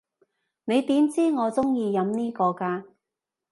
你點知我中意飲呢個㗎？